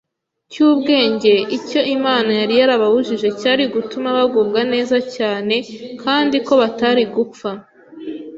cy’ubwenge icyo Imana yari yarababujije cyari gutuma bagubwa neza cyane kandi ko batari gupfa.